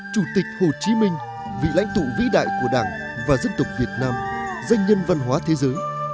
chủ tịch hồ chí minh vị lãnh tụ vĩ đại của đảng và dân tộc việt nam danh nhân văn hóa thế giới